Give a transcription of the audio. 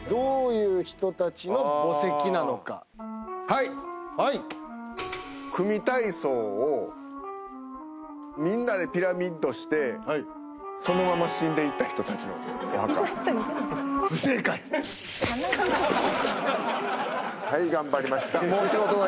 はいはい組み体操をみんなでピラミッドしてそのまま死んでいった人たちのお墓不正解はい頑張りました